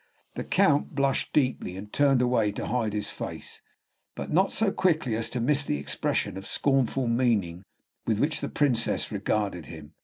The Count blushed deeply, and turned away to hide his face, but not so quickly as to miss the expression of scornful meaning with which the Princess regarded him.